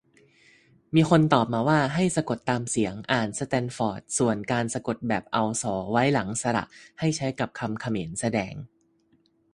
มีคนตอบมาว่า ให้สะกดตามเสียงอ่าน สแตนฟอร์ด ส่วนการสะกดแบบเอา ส ไว้ หลังสระ ให้ใช้กับคำเขมร แสดง